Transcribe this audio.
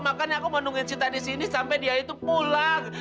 makanya aku mau nungguin sita di sini sampai dia itu pulang